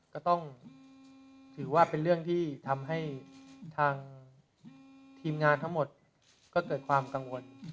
ก็ต้องถือว่าเป็นเรื่องที่ทำให้ทางทีมงานทั้งหมดก็เกิดความกังวล